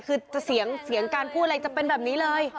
คือเสียงการพูดอะไรจะเป็นแบบนี้เลย